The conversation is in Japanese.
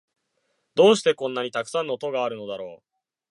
どうしてこんなにたくさん戸があるのだろう